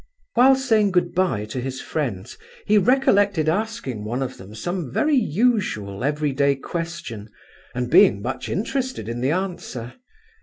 While saying good bye to his friends he recollected asking one of them some very usual everyday question, and being much interested in the answer.